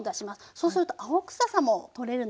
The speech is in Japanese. そうすると青くささも取れるので。